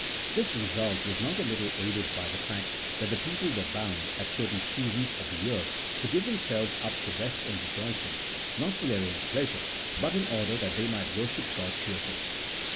This result was not a little aided by the fact that the people were bound, at certain seasons of the year, to give themselves up to rest and rejoicing, not for their own pleasure, but in order that they might wor ship God cheerfully.